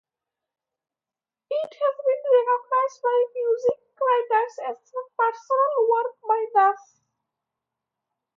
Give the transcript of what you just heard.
It has been recognized by music writers as a personal work by Nas.